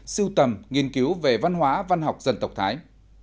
sưu tầm nghiên cứu về văn hóa văn học dân tộc thái